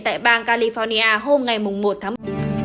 tại bang california hôm ngày một tháng một